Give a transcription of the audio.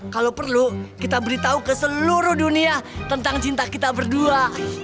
kalau perlu kita beritahu ke seluruh dunia tentang cinta kita berdua